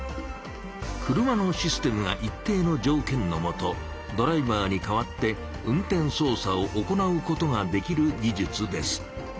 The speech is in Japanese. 車のシステムが一定のじょうけんのもとドライバーにかわって運転そう作を行うことができる技術です。